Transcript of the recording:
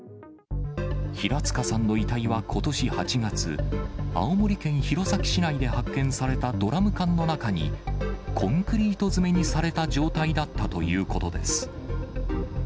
平塚さんの遺体はことし８月、青森県弘前市内で発見されたドラム缶の中に、コンクリート詰めにされた状態だったということです。